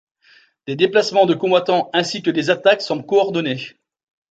Des déplacements de combattants, ainsi que des attaques, semblent coordonnées.